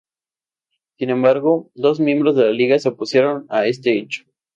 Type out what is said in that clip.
Sin embargo, dos miembros de la Liga se opusieron a este hecho.